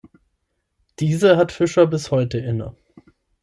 Diese hat Fischer bis heute inne.